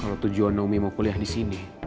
kalo tujuan naomi mau kuliah disini